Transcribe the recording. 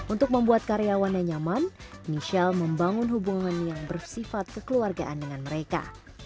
untuk membuat karyawannya nyaman michelle membangun hubungan yang bersifat kekeluargaan dengan mereka